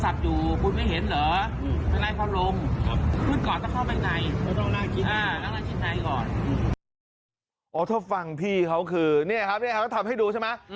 ถ้าฟังพี่เขาคือเนี่ยครับเขาทำให้ดูใช่ไหม